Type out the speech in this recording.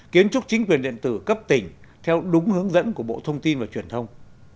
kiến trúc chính quyền điện tử cấp tỉnh theo đúng hướng dẫn của bộ thông tin và truyền thông